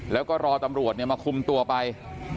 แล้วก็รอตำรวจมาคุมตัวไป